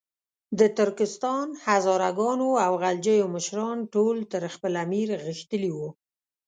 د ترکستان، هزاره ګانو او غلجیو مشران ټول تر خپل امیر غښتلي وو.